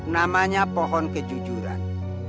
namanya pohon kejujuran